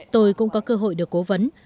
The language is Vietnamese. tôi cũng có cơ hội được cố vấn